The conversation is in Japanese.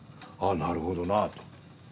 あなるほどなあと。